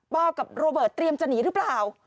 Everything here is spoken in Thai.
กับโรเบิร์ตเตรียมจะหนีหรือเปล่า